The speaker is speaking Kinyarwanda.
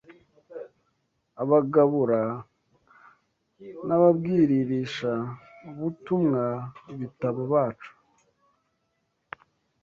Abagabura n’ababwiririsha butumwa ibitabo bacu